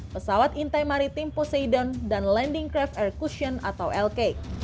pesawat intai maritim posedon dan landing craft air question atau lk